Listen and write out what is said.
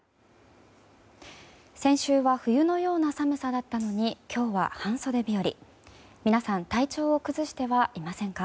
先週は冬のような寒さだったのに今日は半袖日和。